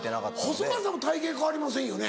細川さんも体形変わりませんよね。